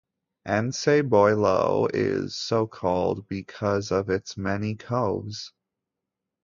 Anse Boileau is so-called because of its many coves.